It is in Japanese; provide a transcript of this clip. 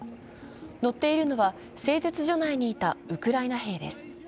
乗っているのは製鉄所内にいたウクライナ兵です。